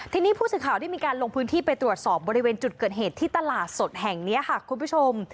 ทีนี้ผู้สื่อข่าวได้มีการลงพื้นที่ไปตรวจสอบบริเวณจุดเกิดเหตุที่ตลาดสดแห่งนี้ค่ะคุณผู้ชม